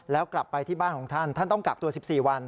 แล้วกลับไปที่บ้านของท่านท่านต้องกักตัว๑๔วัน